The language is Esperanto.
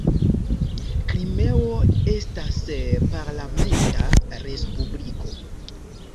Krimeo estas parlamenta respubliko.